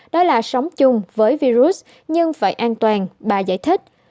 đó là sống chung với virus nhưng phải an toàn bà giải thích